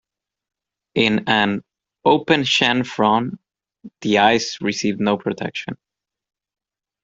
In an "open chanfron", the eyes received no protection.